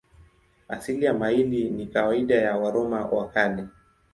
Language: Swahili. Asili ya maili ni kawaida ya Waroma wa Kale.